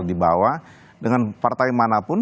dibawa dengan partai manapun